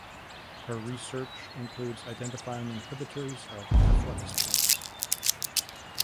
Her research includes identifying inhibitors of efflux pumps.